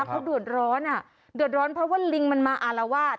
เขาเดือดร้อนอ่ะเดือดร้อนเพราะว่าลิงมันมาอารวาส